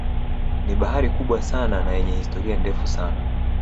Ni bahari kubwa sana na yenye historia ndefu sana